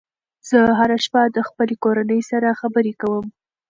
زه هره شپه د خپلې کورنۍ سره خبرې کوم.